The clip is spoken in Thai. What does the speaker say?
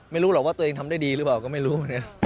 ไม่รู้หรอกว่าตัวเองทำได้ดีหรือเปล่าก็ไม่รู้